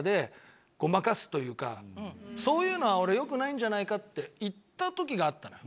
そういうのは俺良くないんじゃないかって言ったときがあったのよ。